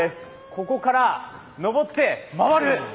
ここから、上って回る。